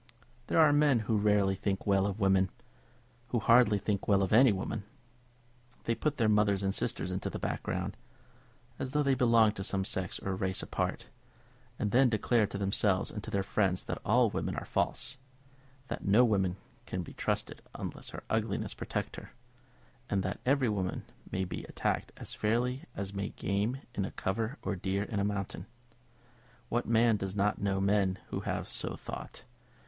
There are men who rarely think well of women, who hardly think well of any woman. They put their mothers and sisters into the background, as though they belonged to some sex or race apart, and then declare to themselves and to their friends that all women are false, that no woman can be trusted unless her ugliness protect her; and that every woman may be attacked as fairly as may game in a cover, or deer on a mountain, What man does not know men who have so thought?